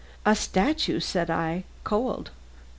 "A statue!" said I; "cold!"